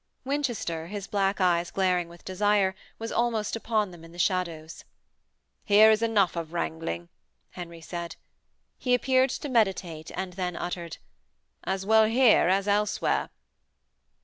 Winchester, his black eyes glaring with desire, was almost upon them in the shadows. 'Here is enough of wrangling,' Henry said. He appeared to meditate, and then uttered: 'As well here as elsewhere.'